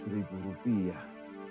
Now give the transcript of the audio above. dua ratus ribu rupiah